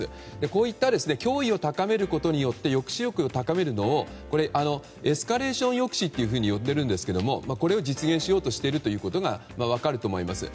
こういった脅威を高めることによって抑止力を高めるのをエスカレーション抑止と呼んでるんですけどもこれを実現しようとしているのが分かると思います。